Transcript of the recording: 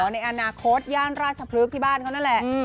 ในอนาคตย่านราชพฤกษ์ที่บ้านเขานั่นแหละ